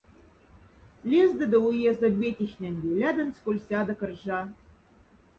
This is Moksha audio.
Лездыда уездонь вятихненди лядондсь коль сяда кржа.